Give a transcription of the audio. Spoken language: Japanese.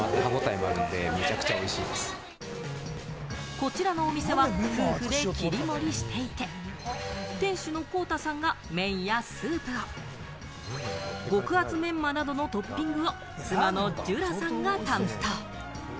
こちらのお店は夫婦で切り盛りしていて、店主の康太さんが麺やスープを、極厚めんまなどのトッピングを妻の朱蘭さんが担当。